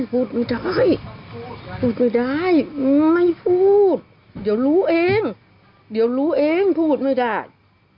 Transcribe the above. พูดไม่ได้พูดไม่ได้ไม่พูดเดี๋ยวรู้เองเดี๋ยวรู้เองพูดไม่ได้